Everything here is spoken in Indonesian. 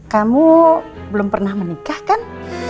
kamu belum pernah menikah kan